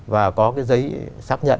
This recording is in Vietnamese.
và có cái giấy xác nhận